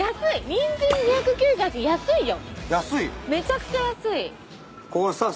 にんじん２９８円安いよ。